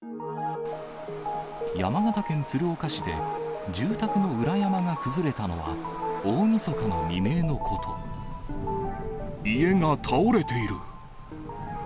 山形県鶴岡市で住宅の裏山が崩れたのは、家が倒れている。